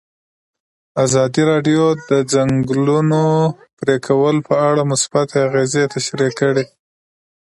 ازادي راډیو د د ځنګلونو پرېکول په اړه مثبت اغېزې تشریح کړي.